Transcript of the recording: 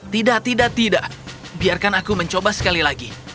tidak tidak tidak biarkan aku mencoba sekali lagi